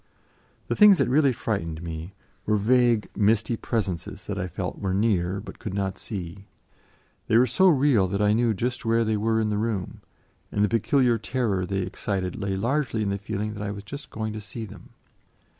The things that really frightened me were vague, misty presences that I felt were near, but could not see; they were so real that I knew just where they were in the room, and the peculiar terror they excited lay largely in the feeling that I was just going to see them.